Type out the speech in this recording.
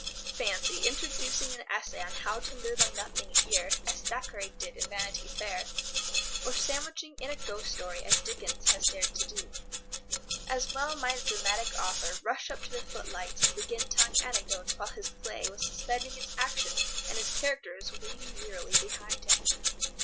Fancy introducing an essay on how to live on nothing a year as Thackeray did in "Vanity Fair," or sandwiching in a ghost story as Dickens has dared to do. As well might a dramatic author rush up to the footlights and begin telling anecdotes while his play was suspending its action and his characters waiting wearily behind him.